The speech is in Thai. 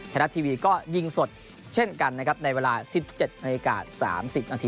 ไทยรัฐทีวีก็ยิงสดเช่นกันนะครับในเวลา๑๗นาฬิกา๓๐นาที